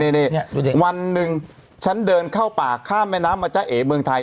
นี่วันหนึ่งฉันเดินเข้าป่าข้ามแม่น้ำมาจ้าเอ๋เมืองไทย